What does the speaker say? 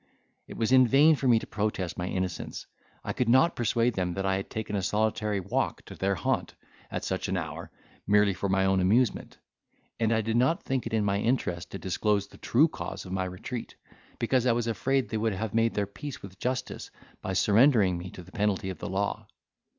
It was in vain for me to protest my innocence: I could not persuade them that I had taken a solitary walk to their haunt, at such an hour, merely for my own amusement; and I did not think it my interest to disclose the true cause of my retreat, because I was afraid they would have made their peace with justice by surrendering me to the penalty of the law.